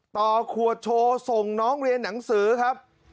ต่อขวดโชว์ส่งน้องเรียนหนังสือครับ